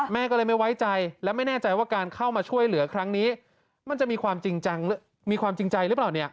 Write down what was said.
มันจะมีความจริงจังมีความจริงใจหรือเปล่าเนี่ย